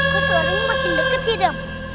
kek suaranya makin deket tidak